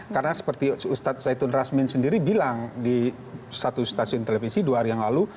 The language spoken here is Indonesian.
karena seperti ustaz zaitun razmin sendiri bilang di satu stasiun televisi dua hari yang lalu